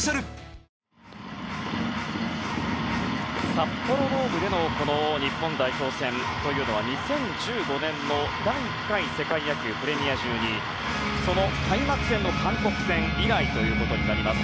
札幌ドームでの日本代表戦というのは２０１５年の第１回世界野球プレミア１２その開幕戦の韓国戦以来となります。